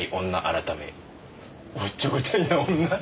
改めおっちょこちょいな女。